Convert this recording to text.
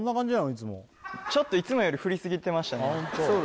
いつもちょっといつもよりふりすぎてましたね